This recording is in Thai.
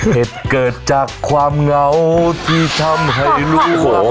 เหตุเกิดจากความเหงาที่ทำให้ลูกโข